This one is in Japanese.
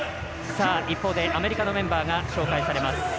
一方でアメリカのメンバーが紹介されます。